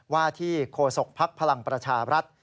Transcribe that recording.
ว่าที่โคศกภักดิ์พลังประชาบรัฐ